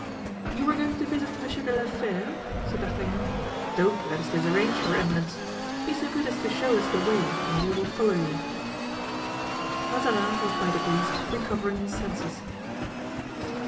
"You were going to visit Monsieur de la Fere?" said D'Artagnan. "Don't let us disarrange your eminence. Be so good as to show us the way and we will follow you." Mazarin was by degrees recovering his senses.